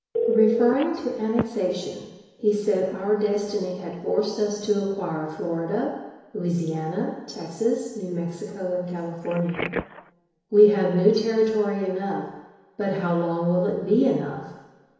Referring to annexation, he said our destiny had forced us to acquire Florida, Louisiana, Texas, New Mexico, and California. "We have now territory enough, but how long will it be enough?